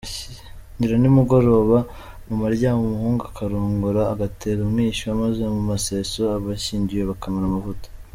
Bashyingira nimugoroba, mu maryama umuhungu akarongora agatera umwishywa, maze mu museso abashyingiwe bakamara amavuta.